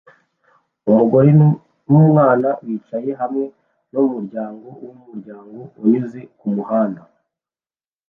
Umugore n'umwana bicaye hamwe mumuryango wumuryango unyuze kumuhanda